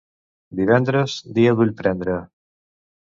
Divendres, dia d'ullprendre.